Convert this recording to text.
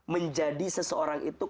menjadi seseorang itu